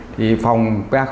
thì phòng ba trăm linh bốn